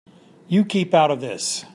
You keep out of this.